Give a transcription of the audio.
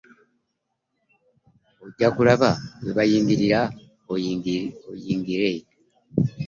Ojja kulaba we bayingirira oyingire.